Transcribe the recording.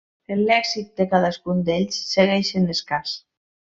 El lèxic de cadascun d'ells segueix sent escàs.